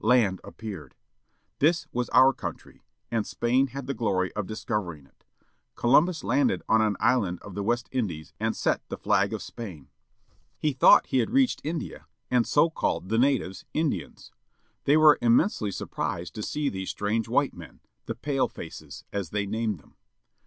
Land appeared! This was our country. And Spain had the glory of discovering it. Colvimbus landed on an island of the West^ Indies, and set up the flag of Spain. COLUMBUS SAILING INTO THE UNKNOWN COLUMBUS DISCOVERS AMERICA, 1492 He thought he had reached India, and so called the natives Indians. They were immensely surprised to see these strange white men â the "pale faces," as they named them.